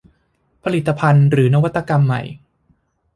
ผลิตภัณฑ์หรือนวัตกรรมใหม่